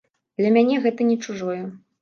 Для мяне гэта не чужое.